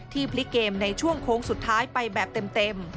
พลิกเกมในช่วงโค้งสุดท้ายไปแบบเต็ม